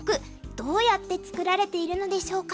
どうやって作られているのでしょうか。